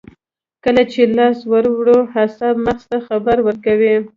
کله چې لاس ور وړو اعصاب مغز ته خبر ورکوي